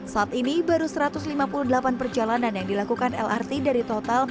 saat ini baru satu ratus lima puluh delapan perjalanan yang dilakukan lrt dari total empat ratus tiga puluh tujuh